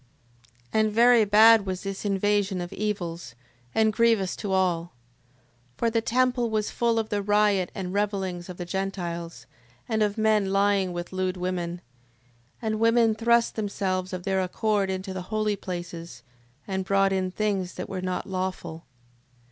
6:3. And very bad was this invasion of evils, and grievous to all. 6:4. For the temple was full of the riot and revellings of the Gentiles: and of men lying with lewd women. And women thrust themselves of their accord into the holy places, and brought in things that were not lawful.